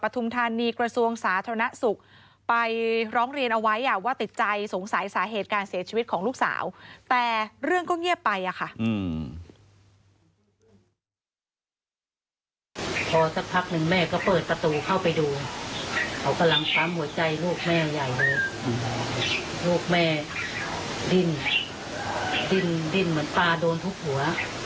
พอสักพักหนึ่งแม่ก็เปิดประตูเข้าไปดูเขากำลังตามหัวใจลูกแม่ใหญ่เลยลูกแม่ดินดินดินเหมือนปลาโดนทุกหัว